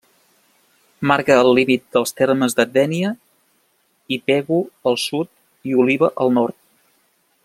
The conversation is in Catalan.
Marca el límit dels termes de Dénia i Pego al sud i Oliva al nord.